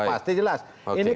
ini sudah terjadi